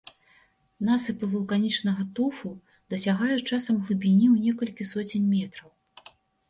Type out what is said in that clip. Насыпы вулканічнага туфу дасягаюць часам глыбіні ў некалькі соцень метраў.